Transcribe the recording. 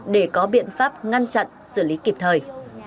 để có biện pháp ngăn chặn xử lý kịp thời